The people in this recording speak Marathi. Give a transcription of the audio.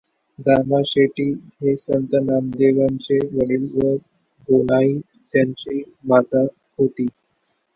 दामाशेटी हे संत नामदेवांचे वडील व गोणाई त्यांची माता होती.